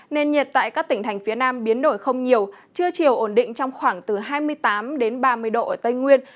nên nhiệt tại các tỉnh thành phía nam biến đổi không nhiều chưa chiều ổn định trong khoảng từ hai mươi tám ba mươi độ ở tây nguyên